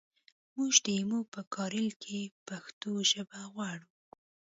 مونږ د ایمو په کاریال کې پښتو ژبه غواړو